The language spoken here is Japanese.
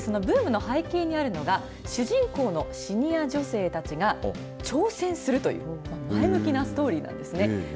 そのブームの背景にあるのが主人公のシニア女性たちが挑戦するという前向きなストーリーなんですね。